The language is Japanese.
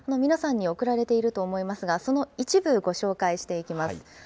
皆さんに送られていると思いますが、その一部、ご紹介していきます。